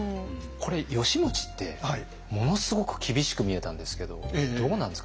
これ義持ってものすごく厳しく見えたんですけどどうなんですか？